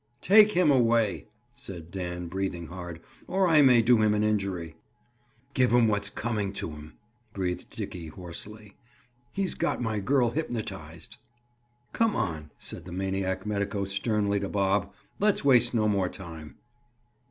"Take him away!" said Dan, breathing hard. "Or I may do him an injury." "Give him what's coming to him," breathed Dickie hoarsely. "He's got my girl hypnotized." "Come on," said the maniac medico sternly to Bob. "Let's waste no more time."